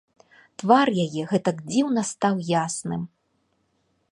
Твар яе гэтак дзіўна стаў ясным.